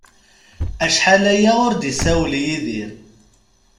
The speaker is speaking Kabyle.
Acḥal aya ur d-isawel Yidir